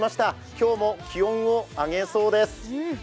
今日も気温を上げそうです。